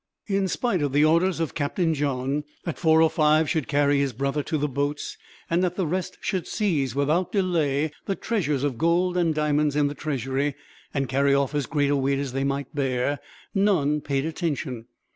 In spite of the orders of Captain John, that four or five should carry his brother to the boats; and that the rest should seize, without delay, the treasures of gold and diamonds in the Treasury, and carry off as great a weight as they might bear, none paid attention.